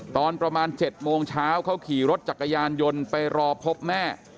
ตอนประมาณ๗โมงเช้าเขาขี่รถจักรยานยนต์ไปรอพบแม่